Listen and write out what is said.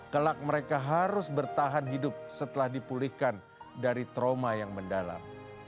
kelak mereka harus bertahan hidup setelah dipulihkan dari trauma yang mendalam